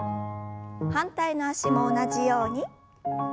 反対の脚も同じように。